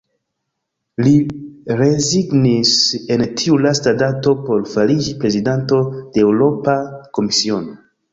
Li rezignis en tiu lasta dato por fariĝi prezidanto de Eŭropa Komisiono.